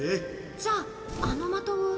じゃああの的を。